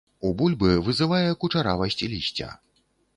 У бульбы вызывае кучаравасць лісця.